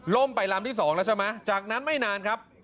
ไปลำที่๒แล้วใช่ไหมจากนั้นไม่นานครับ